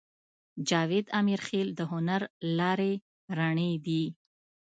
جاوید امیرخېل د هنر لارې رڼې دي